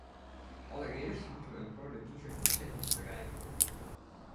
Allereerst moeten we een politieke consensus bereiken.